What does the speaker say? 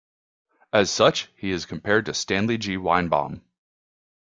As such, he is compared to Stanley G. Weinbaum.